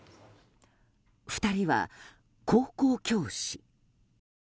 ２人は高校教師。